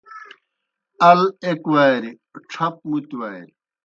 ال ایْک واریْ، ڇھپ مُتیْ واریْ